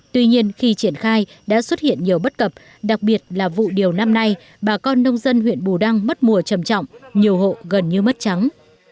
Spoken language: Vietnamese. tuy nhiên khi triển khai đã xuất hiện nhiều bất cập đặc biệt là vụ điều năm nay bà con nông dân huyện bù đăng mất mùa trầm trọng nhiều hộ gần như mất trắng